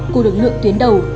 của lực lượng tuyến đầu